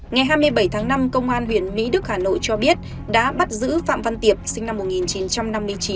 ngày hai mươi bảy tháng năm công an huyện mỹ đức hà nội cho biết đã bắt giữ phạm văn tiệp sinh năm một nghìn chín trăm năm mươi chín